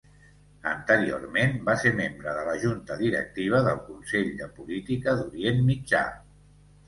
Anteriorment va ser membre de la Junta Directiva del Consell de Política d'Orient Mitjà.